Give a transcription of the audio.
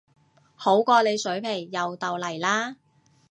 好過你水皮又豆泥啦